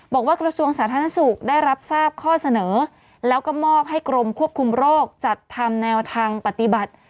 กระทรวงสาธารณสุขได้รับทราบข้อเสนอแล้วก็มอบให้กรมควบคุมโรคจัดทำแนวทางปฏิบัติ